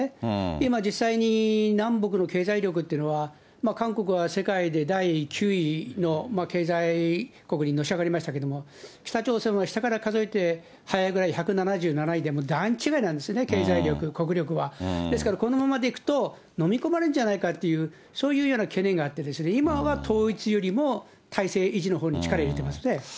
今、実際に南北の経済力というのは、韓国は世界で第９位の経済国にのし上がりましたけれども、北朝鮮は下から数えて速いぐらい１７７位でも、段違いなんですね、経済力、国力は。ですからこのままでいくと、飲み込まれるんじゃないかというそういうような懸念があってですね、今は統一よりも、体制維持のほうに力を入れていますね。